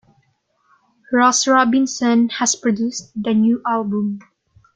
Ross Robinson has produced the new album.